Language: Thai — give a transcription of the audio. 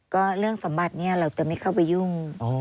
ก็เรื่องสมบัติเนี่ยเราจะไม่เข้าไปยุ่ง